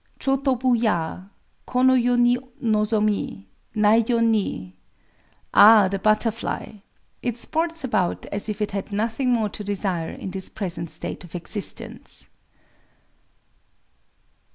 _] Chō tobu ya, Kono yo ni nozomi Nai yō ni! [_Ah, the butterfly!—it sports about as if it had nothing more to desire in this present state of existence.